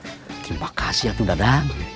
terima kasih ya tuh dadang